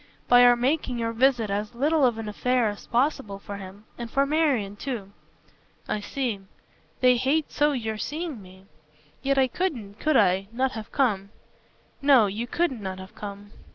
"By our making your visit as little of an affair as possible for him and for Marian too." "I see. They hate so your seeing me. Yet I couldn't could I? not have come." "No, you couldn't not have come."